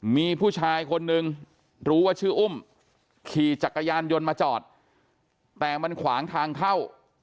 มีผู้ชายคนนึงรู้ว่าชื่ออุ้มขี่จักรยานยนต์มาจอดแต่มันขวางทางเข้า